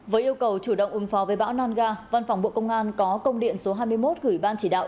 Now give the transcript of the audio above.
với yêu cầu chủ động ứng phó với bão nangga văn phòng bộ công an có công điện số hai mươi một gửi ban chỉ đạo